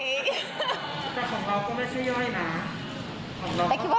แต่ของเราก็ไม่ใช่ย่อยนะ